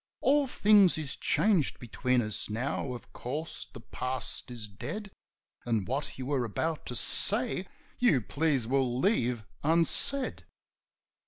All things is changed between us now, of course; the past is dead. An' what you were about to say you please will leave unsaid."